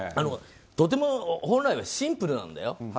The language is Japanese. とても本来はシンプルなんだよ。